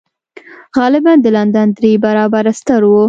غالباً د لندن درې برابره ستر و